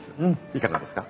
いかがですか？